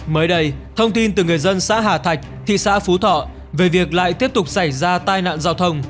mới đây thông tin từ người dân xã hà thạch thị xã phú thọ về việc lại tiếp tục xảy ra tai nạn giao thông